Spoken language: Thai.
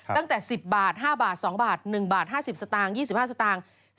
ตั้งแต่๑๐บาท๕บาท๒บาท๑บาท๕๐สตางค์๒๕สตางค์